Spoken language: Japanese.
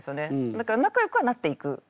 だからなかよくはなっていく。